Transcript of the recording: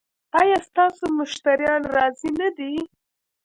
ایا ستاسو مشتریان راضي نه دي؟